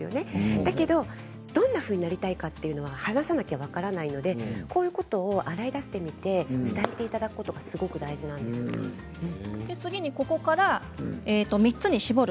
だけどどんなふうになりたいかは話さないと分からないのでこういうことを洗い出してみて伝えていただくことがここから３つに絞る。